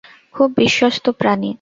খুব বিশ্বস্ত প্রাণী।